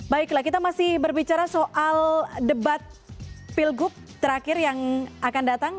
baiklah kita masih berbicara soal debat pilgub terakhir yang akan datang